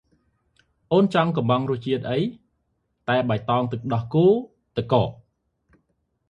«អូន ចង់កុម្ម៉ងរសជាតិអី?» «តែបៃតងទឹកដោះគោទឹកកក។»